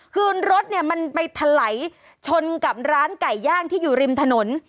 คือรถเนี่ยมันไปถลายชนกับร้านไก่ย่างที่อยู่ริมถนน